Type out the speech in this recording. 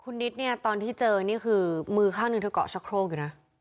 คุณนิดเนี่ยตอนที่เจอนี่คือมือข้างหนึ่งเธอเกาะชะโครกอยู่นะ